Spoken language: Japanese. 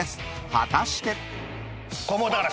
［果たして？］